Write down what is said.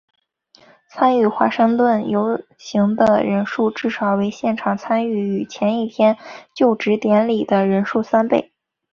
参与华盛顿游行的人数至少为现场参与前一天就职典礼的人数三倍。